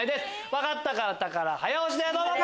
分かった方から早押しでどうぞ！